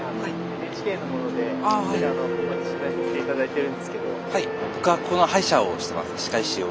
ＮＨＫの者でここで取材させていただいてるんですけど。